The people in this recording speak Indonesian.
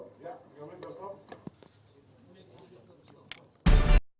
ya tiga menit dorsop